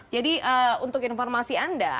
jadi untuk informasi anda